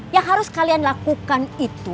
yang harus kalian lakukan itu